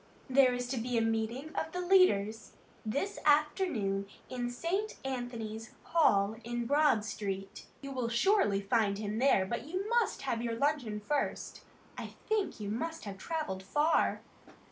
"There is to be a meeting of the leaders this afternoon in St. Anthony's Hall in Broad street. You will surely find him there, but you must have your luncheon first. I think you must have travelled far."